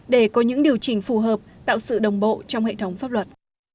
để có những điều chỉnh phù hợp tạo sự đồng bộ trong hệ thống pháp luật